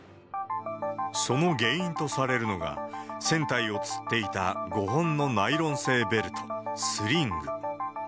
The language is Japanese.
その原因とされるのが、船体をつっていた５本のナイロン製ベルト、スリング。